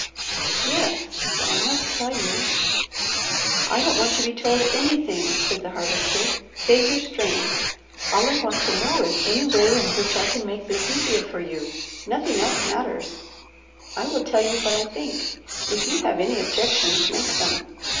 "Yes. But I must tell you " "I don't want to be told anything," said the Harvester. "Save your strength. All I want to know is any way in which I can make this easier for you. Nothing else matters. I will tell you what I think; if you have any objections, make them.